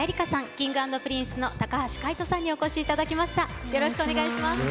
Ｋｉｎｇ＆Ｐｒｉｎｃｅの高橋海人さんにお越しいただきました。